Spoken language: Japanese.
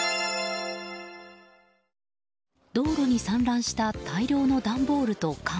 道路に散乱した大量の段ボールと缶。